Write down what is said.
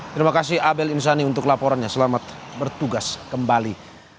terima kasih abel imsani untuk laporannya selamat bertugas kembali